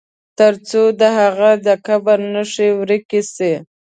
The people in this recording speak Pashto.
تر څو د هغه د قبر نښي ورکي سي.